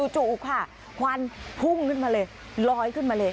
จู่ค่ะควันพุ่งขึ้นมาเลยลอยขึ้นมาเลย